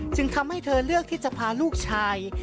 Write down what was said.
จึงทำให้เธอเลือกที่จะพาลูกชาย